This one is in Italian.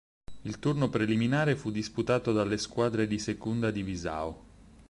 Il turno preliminare fu disputato dalle squadre di Segunda Divisão.